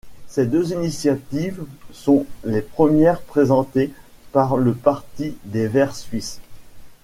Ces deux initiatives sont les premières présentées par le parti des Verts suisses.